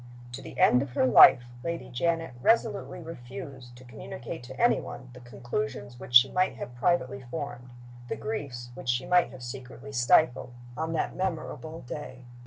To the end of her life Lady Janet resolutely refused to communicate to any one the conclusions which she might have privately formed, the griefs which she might have secretly stifled, on that memorable day.